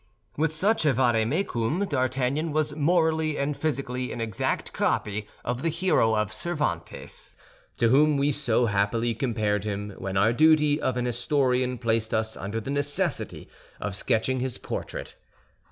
With such a vade mecum D'Artagnan was morally and physically an exact copy of the hero of Cervantes, to whom we so happily compared him when our duty of an historian placed us under the necessity of sketching his portrait.